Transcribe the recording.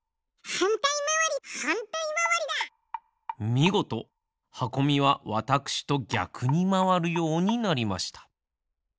みごとはこみはわたくしとぎゃくにまわるようになりました。